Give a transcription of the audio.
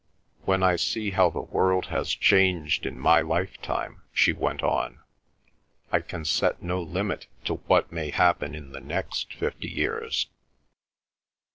"When I see how the world has changed in my lifetime," she went on, "I can set no limit to what may happen in the next fifty years.